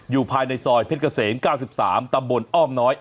อยู่ในซอยเพชรเกษม๙๓ตำบลอ้อมน้อย